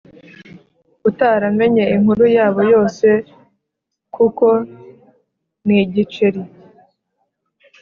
utaramenya inkuru yabo yose kuko nigiceri